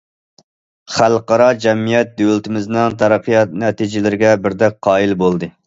خەلقئارا جەمئىيەت دۆلىتىمىزنىڭ تەرەققىيات نەتىجىلىرىگە بىردەك قايىل بولدى.